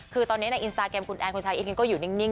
คือตอนนี้ในอินสตาแกรมคุณแอนคุณชายอินเองก็อยู่นิ่ง